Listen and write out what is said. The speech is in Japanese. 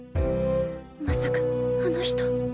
まさかあの人。